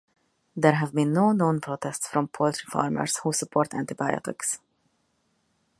There have been no known protests from poultry farmers who support antibiotics.